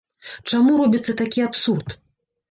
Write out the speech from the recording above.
Чаму робіцца такі абсурд?